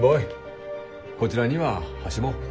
こちらには箸も。